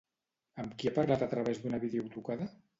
Amb qui ha parlat a través d'una videotrucada?